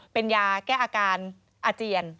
เป็นยาแก้อาการอาเจียน